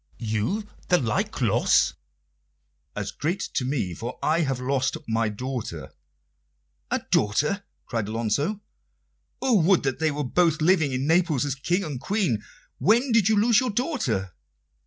"You the like loss?" "As great to me; for I have lost my daughter." "A daughter?" cried Alonso. "Oh, would that they were both living in Naples as King and Queen! When did you lose your daughter?"